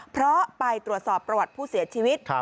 เพราะไปตรวจสอบประวัติผู้เสียชีวิต